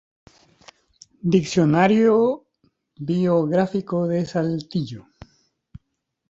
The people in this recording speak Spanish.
Diccionario Biográfico de Saltillo.